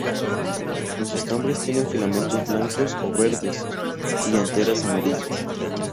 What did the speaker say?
Los estambres tienen filamentos blancos o verdes y anteras amarillas.